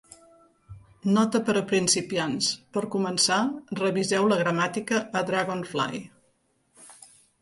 Nota per a principiants: per començar, reviseu la gramàtica a Dragonfly.